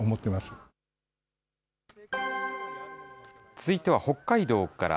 続いては北海道から。